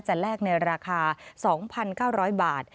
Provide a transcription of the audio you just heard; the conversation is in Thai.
แลกในราคา๒๙๐๐บาท